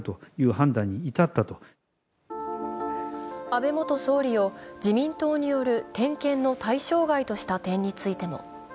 安倍元総理を自民党による点検の対象外とした点についても同じ頃